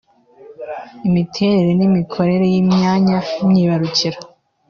imiterere n’imikorere y’imyanya myibarukiro